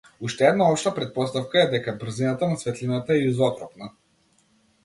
Уште една општа претпоставка е дека брзината на светлината е изотропна.